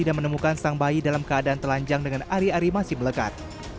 dan menemukan sang bayi dalam keadaan telanjang dengan ari ari masih melekat